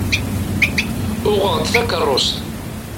Uɣeɣ-d takerrust.